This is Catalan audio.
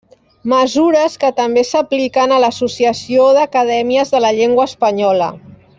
Mesures que també s'apliquen a l'Associació d'Acadèmies de la Llengua Espanyola.